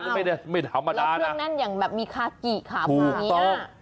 ไม่ธรรมดานะแล้วเครื่องนั้นอย่างแบบมีขากิครับถูกต้อง